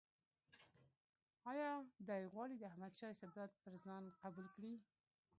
آیا دی غواړي د احمدشاه استبداد پر ځان قبول کړي.